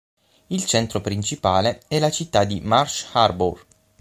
Il centro principale è la città di Marsh Harbour.